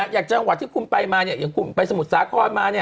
อย่างจังหวัดที่คุณไปมาอย่างคุณไปสมุทรสาครมา